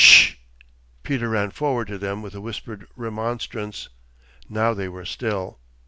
'Ssh!' Peter ran forward to them with a whispered remonstrance. Now they were still.